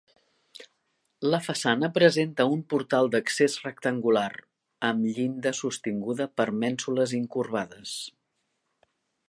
La façana presenta un portal d'accés rectangular, amb llinda sostinguda per mènsules incurvades.